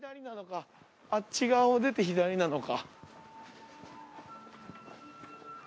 あっち側を出て左なのか。